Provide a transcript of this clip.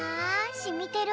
しみてる？